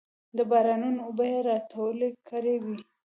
د بارانونو اوبه یې راټولې کړې وې.